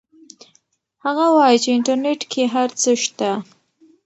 هغه وایي چې انټرنیټ کې هر څه شته.